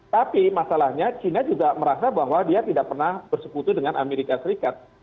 tapi masalahnya china juga merasa bahwa dia tidak pernah bersekutu dengan amerika serikat